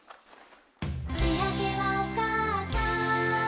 「しあげはおかあさん」